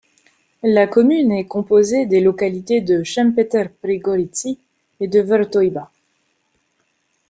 La commune est composée des localités de Šempeter pri Gorici et de Vrtojba.